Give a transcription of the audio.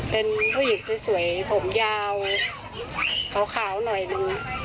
เป็นผู้หญิงสวยผมยาวขาวหน่อยหนึ่ง